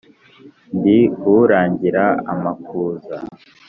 ndi uragira amakuza.